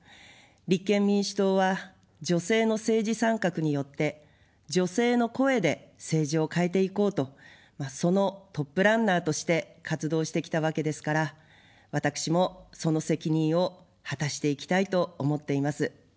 立憲民主党は女性の政治参画によって女性の声で政治を変えていこうと、そのトップランナーとして活動してきたわけですから、私もその責任を果たしていきたいと思っています。